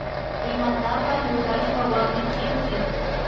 Imatapash rurashpa waklichinchik